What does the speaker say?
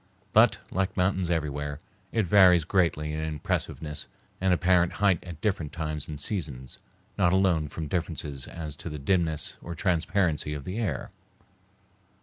But, like mountains everywhere, it varies greatly in impressiveness and apparent height at different times and seasons, not alone from differences as to the dimness or transparency of the air.